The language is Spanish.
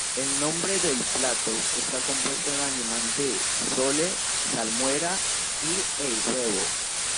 El nombre del plato está compuesto en alemán de: sole salmuera y ei huevo.